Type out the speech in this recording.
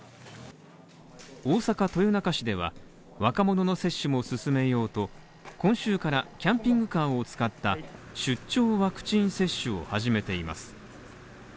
大阪・豊中市では若者の接種も進めようと今週からキャンピングカーを使った出張ワクチン接種を始めています。